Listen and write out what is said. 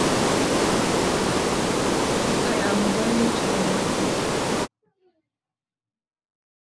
ili kuzuia unyevu usipotee.